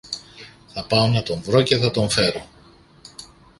Θα πάω να τον βρω και θα τον φέρω.